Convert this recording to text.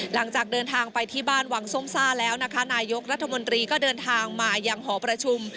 หลังจากเดินทางไปที่บ้านวังส้มซ่าแล้วนะคะนายกรัฐมนตรีก็เดินทางมายังหอประชุม